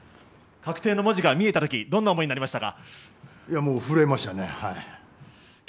確定の文字が見えたときどんな思いになりましたか？